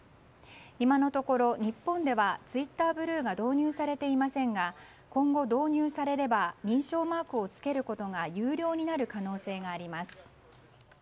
今のところ、日本ではツイッターブルーが導入されていませんが今後、導入されれば認証マークを付けることが有料になる可能性があります。